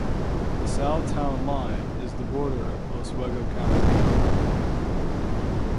The south town line is the border of Oswego County.